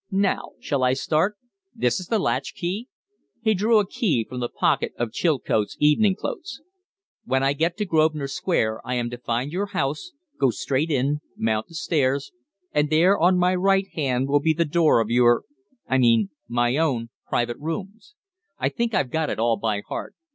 "Now, shall I start? This is the latch key?" He drew a key from the pocket of Chilcote's evening clothes. "When I get to Grosvenor Square I am to find your house, go straight in, mount the stairs, and there on my right hand will be the door of your I mean my own private rooms. I think I've got it all by heart.